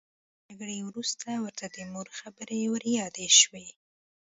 له جګړې وروسته ورته د مور خبرې وریادې شوې